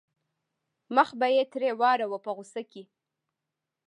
مخ به یې ترې واړاوه په غوسه کې.